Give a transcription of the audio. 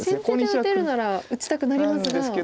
先手で打てるなら打ちたくなりますが。